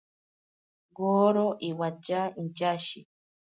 Woro iwatya inchashi.